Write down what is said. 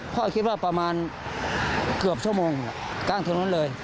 พ่อคิดว่าประมาณเกือบชั่วโมงกลางถนนเลย